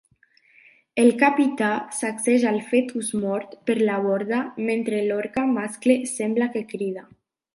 El capità sacseja el fetus mort per la borda mentre l'orca mascle sembla que crida.